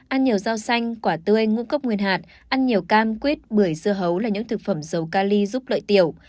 ăn nhiều rau xanh quả tươi ngũ cốc nguyên hạt ăn nhiều cam quyết bưởi dưa hấu là những thực phẩm dầu ca ly giúp lợi tiểu